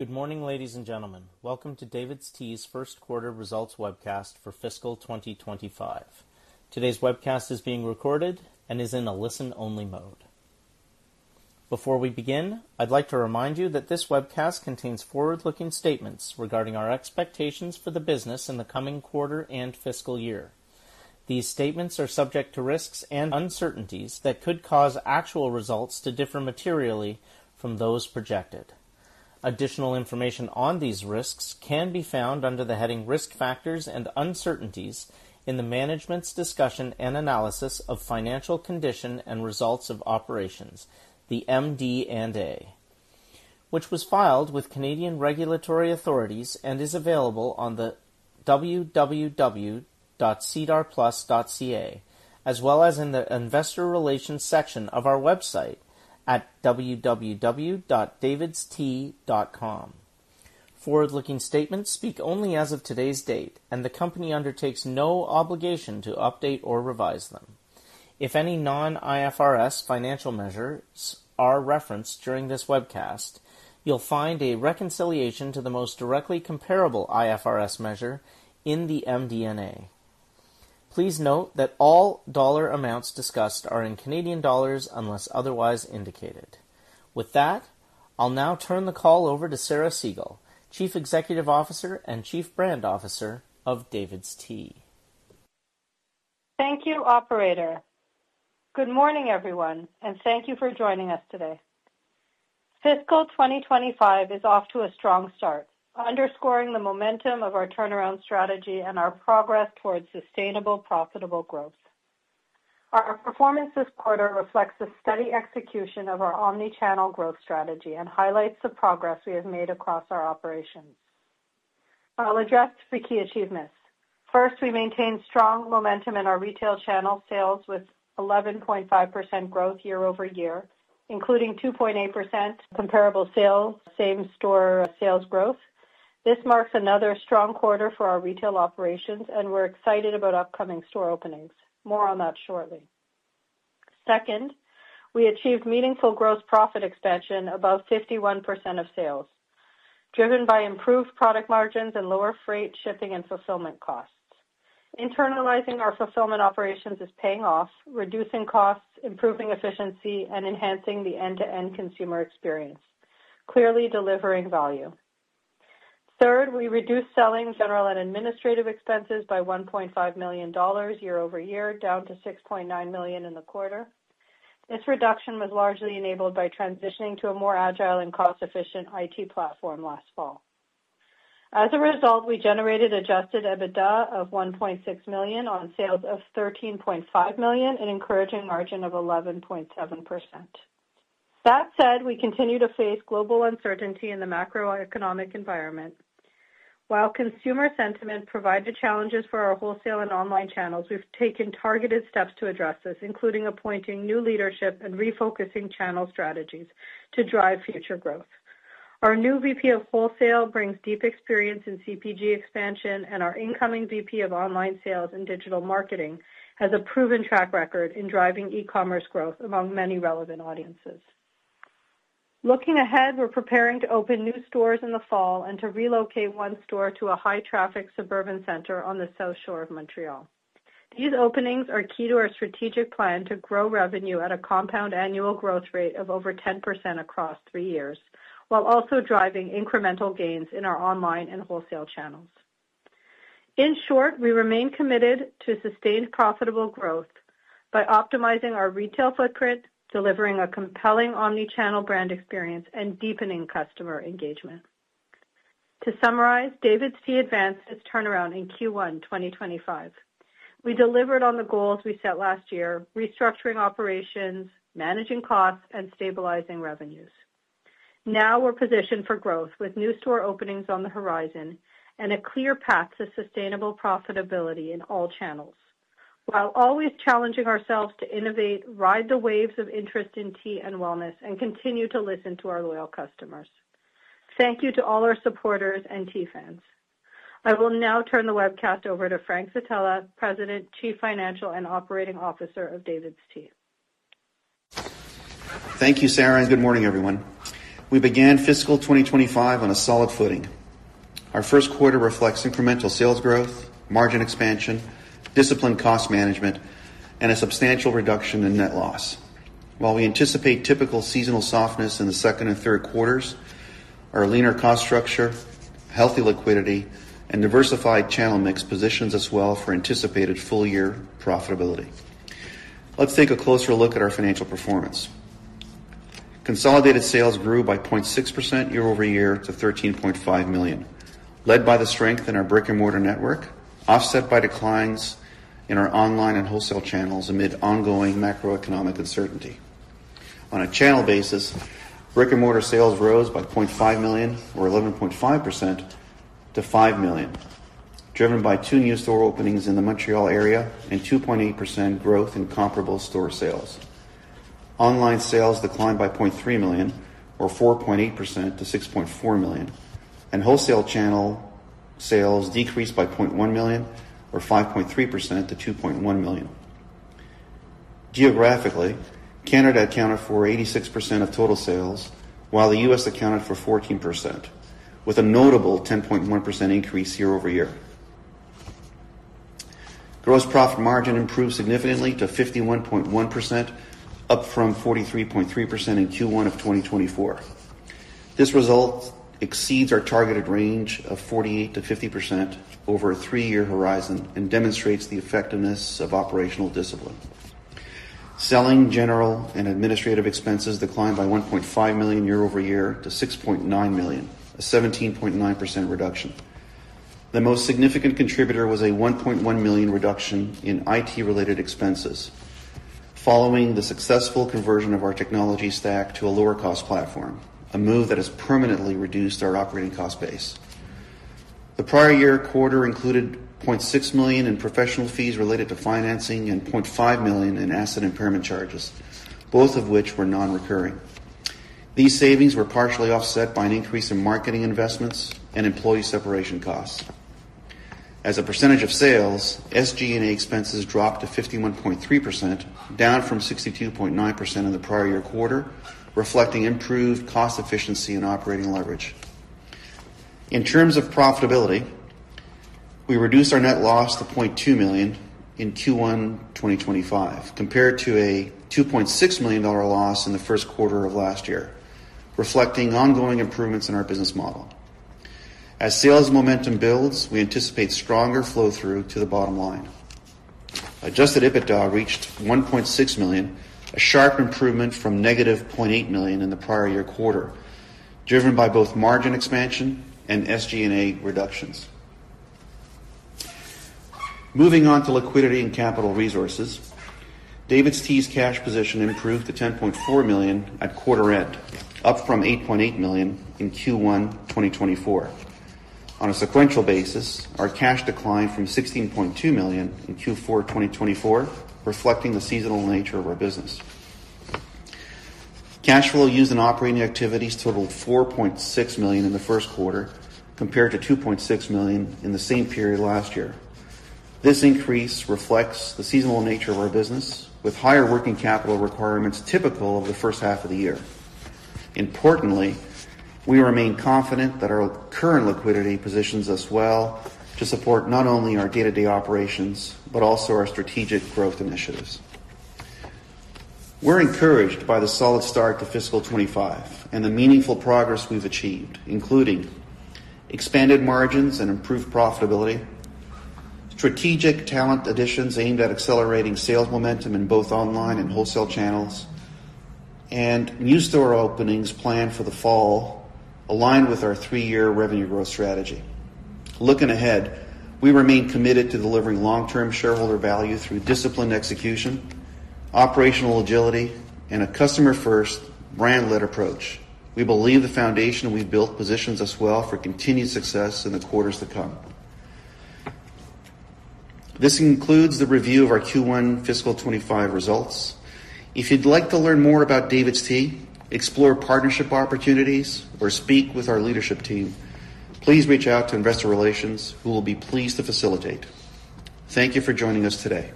Good morning, ladies and gentlemen. Welcome to DavidsTEA's first quarter results webcast for fiscal 2025. Today's webcast is being recorded and is in a listen-only mode. Before we begin, I'd like to remind you that this webcast contains forward-looking statements regarding our expectations for the business in the coming quarter and fiscal year. These statements are subject to risks and uncertainties that could cause actual results to differ materially from those projected. Additional information on these risks can be found under the heading Risk Factors and Uncertainties in the Management's Discussion and Analysis of Financial Condition and Results of Operations, the MD&A, which was filed with Canadian regulatory authorities and is available on the www.cedarplus.ca, as well as in the Investor Relations section of our website at www.davidstea.com. Forward-looking statements speak only as of today's date, and the company undertakes no obligation to update or revise them. If any non-IFRS financial measures are referenced during this webcast, you'll find a reconciliation to the most directly comparable IFRS measure in the MD&A. Please note that all dollar amounts discussed are in CAD unless otherwise indicated. With that, I'll now turn the call over to Sarah Segal, Chief Executive Officer and Chief Brand Officer of DavidsTEA. Thank you, Operator. Good morning, everyone, and thank you for joining us today. Fiscal 2025 is off to a strong start, underscoring the momentum of our turnaround strategy and our progress towards sustainable, profitable growth. Our performance this quarter reflects a steady execution of our omnichannel growth strategy and highlights the progress we have made across our operations. I'll address the key achievements. First, we maintain strong momentum in our retail channel sales with 11.5% growth year over year, including 2.8% comparable sales and same-store sales growth. This marks another strong quarter for our retail operations, and we're excited about upcoming store openings. More on that shortly. Second, we achieved meaningful gross profit expansion, about 51% of sales, driven by improved product margins and lower freight, shipping, and fulfillment costs. Internalizing our fulfillment operations is paying off, reducing costs, improving efficiency, and enhancing the end-to-end consumer experience, clearly delivering value. Third, we reduced selling, general, and administrative expenses by $1.5 million year over year, down to $6.9 million in the quarter. This reduction was largely enabled by transitioning to a more agile and cost-efficient IT platform last fall. As a result, we generated Adjusted EBITDA of $1.6 million on sales of $13.5 million and an encouraging margin of 11.7%. That said, we continue to face global uncertainty in the macroeconomic environment. While consumer sentiment provided challenges for our wholesale and online channels, we've taken targeted steps to address this, including appointing new leadership and refocusing channel strategies to drive future growth. Our new VP of Wholesale brings deep experience in CPG expansion, and our incoming VP of Online Sales and Digital Marketing has a proven track record in driving e-commerce growth among many relevant audiences. Looking ahead, we're preparing to open new stores in the fall and to relocate one store to a high-traffic suburban center on the south shore of Montreal. These openings are key to our strategic plan to grow revenue at a compound annual growth rate of over 10% across three years, while also driving incremental gains in our online and wholesale channels. In short, we remain committed to sustained profitable growth by optimizing our retail footprint, delivering a compelling omnichannel brand experience, and deepening customer engagement. To summarize, DavidsTEA advanced its turnaround in Q1 2025. We delivered on the goals we set last year, restructuring operations, managing costs, and stabilizing revenues. Now we're positioned for growth with new store openings on the horizon and a clear path to sustainable profitability in all channels. While always challenging ourselves to innovate, ride the waves of interest in tea and wellness, and continue to listen to our loyal customers, thank you to all our supporters and tea fans. I will now turn the webcast over to Frank Zitella, President, Chief Financial and Operating Officer of DavidsTEA. Thank you, Sarah, and good morning, everyone. We began fiscal 2025 on a solid footing. Our first quarter reflects incremental sales growth, margin expansion, disciplined cost management, and a substantial reduction in net loss. While we anticipate typical seasonal softness in the second and third quarters, our leaner cost structure, healthy liquidity, and diversified channel mix positions us well for anticipated full-year profitability. Let's take a closer look at our financial performance. Consolidated sales grew by 0.6% year over year to 13.5 million, led by the strength in our brick-and-mortar network, offset by declines in our online and wholesale channels amid ongoing macroeconomic uncertainty. On a channel basis, brick-and-mortar sales rose by 0.5 million, or 11.5%, to 5 million, driven by two new store openings in the Montreal area and 2.8% growth in comparable store sales. Online sales declined by 0.3 million, or 4.8%, to 6.4 million, and wholesale channel sales decreased by 0.1 million, or 5.3%, to 2.1 million. Geographically, Canada accounted for 86% of total sales, while the U.S. accounted for 14%, with a notable 10.1% increase year over year. Gross profit margin improved significantly to 51.1%, up from 43.3% in Q1 of 2024. This result exceeds our targeted range of 48%-50% over a three-year horizon and demonstrates the effectiveness of operational discipline. Selling, general, and administrative expenses declined by 1.5 million year over year to 6.9 million, a 17.9% reduction. The most significant contributor was a 1.1 million reduction in IT-related expenses following the successful conversion of our technology stack to a lower-cost platform, a move that has permanently reduced our operating cost base. The prior year quarter included 0.6 million in professional fees related to financing and 0.5 million in asset impairment charges, both of which were non-recurring. These savings were partially offset by an increase in marketing investments and employee separation costs. As a percentage of sales, SG&A expenses dropped to 51.3%, down from 62.9% in the prior year quarter, reflecting improved cost efficiency and operating leverage. In terms of profitability, we reduced our net loss to 0.2 million in Q1 2025, compared to a 2.6 million dollar loss in the first quarter of last year, reflecting ongoing improvements in our business model. As sales momentum builds, we anticipate stronger flow-through to the bottom line. Adjusted EBITDA reached 1.6 million, a sharp improvement from negative 0.8 million in the prior year quarter, driven by both margin expansion and SG&A reductions. Moving on to liquidity and capital resources, DavidsTEA's cash position improved to 10.4 million at quarter-end, up from 8.8 million in Q1 2024. On a sequential basis, our cash declined from 16.2 million in Q4 2024, reflecting the seasonal nature of our business. Cash flow used in operating activities totaled 4.6 million in the first quarter, compared to 2.6 million in the same period last year. This increase reflects the seasonal nature of our business, with higher working capital requirements typical of the first half of the year. Importantly, we remain confident that our current liquidity positions us well to support not only our day-to-day operations but also our strategic growth initiatives. We're encouraged by the solid start to fiscal 2025 and the meaningful progress we've achieved, including expanded margins and improved profitability, strategic talent additions aimed at accelerating sales momentum in both online and wholesale channels, and new store openings planned for the fall, aligned with our three-year revenue growth strategy. Looking ahead, we remain committed to delivering long-term shareholder value through disciplined execution, operational agility, and a customer-first, brand-led approach. We believe the foundation we've built positions us well for continued success in the quarters to come. This concludes the review of our Q1 fiscal 2025 results. If you'd like to learn more about DAVIDsTEA, explore partnership opportunities, or speak with our leadership team, please reach out to Investor Relations, who will be pleased to facilitate. Thank you for joining us today.